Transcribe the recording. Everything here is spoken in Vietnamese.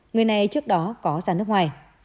người này trước đó có ra nước ngoài